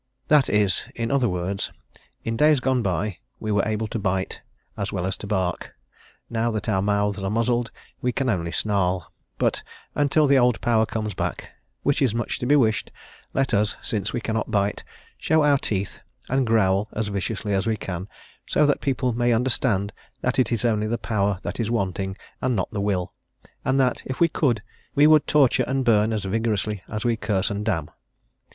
That is, in other words: "In days gone by, we were able to bite, as well as to bark; now that our mouths are muzzled we can only snarl; but, until the old power comes back, which is much to be wished, let us, since we cannot bite, show our teeth and growl as viciously as we can, so that people may understand that it is only the power that is wanting, and not the will, and that, if we could, we would torture and burn as vigorously as we curse and damn."